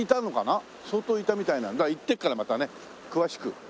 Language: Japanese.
相当いたみたい行ってからまたね詳しく。